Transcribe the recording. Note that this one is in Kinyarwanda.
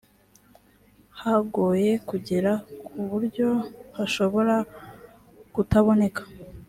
hagoye kugera ku buryo hashobora kutaboneka